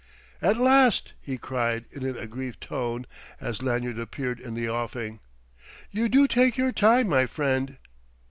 "At last!" he cried in an aggrieved tone as Lanyard appeared in the offing. "You do take your time, my friend!"